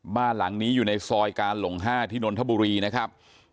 บ้านหลังนี้อยู่ในซอยการหลง๕ที่นนทบุรีนะครับ